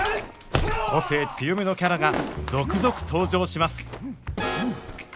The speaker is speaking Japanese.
個性強めのキャラが続々登場します